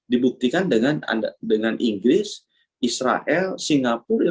dibuktikan dengan inggris israel singapura